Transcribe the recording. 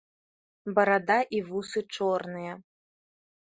Барада і вусы чорныя.